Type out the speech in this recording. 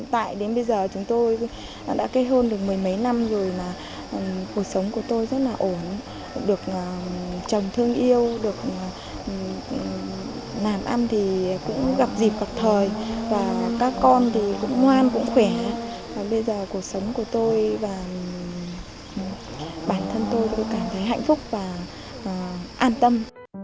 và bây giờ cuộc sống của tôi và bản thân tôi cũng cảm thấy hạnh phúc và an tâm